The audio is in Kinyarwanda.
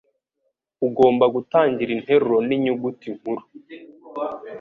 Ugomba gutangira interuro ninyuguti nkuru.